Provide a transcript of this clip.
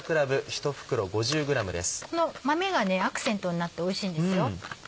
この豆がアクセントになっておいしいんですよ。